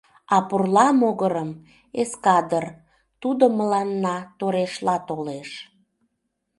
А пурла могырым — эскадр, тудо мыланна торешла толеш.